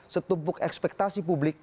setumpuk ekspektasi publik